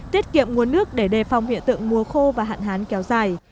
tiết kiệm nguồn nước để đề phòng hiện tượng mùa khô và hạn hán kéo dài